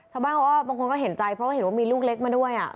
สามารถบางคนก็เห็นใจเพราะเห็นว่ามีลูกเล็กมาด้วย